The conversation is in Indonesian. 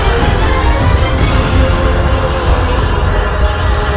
untuk buka penyelenggaraan uang ordinary